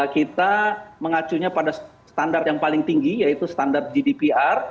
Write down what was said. kita mengacunya pada standar yang paling tinggi yaitu standar gdpr